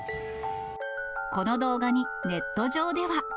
この動画に、ネット上では。